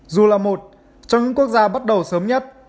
dù là một trong những quốc gia bắt đầu sớm nhất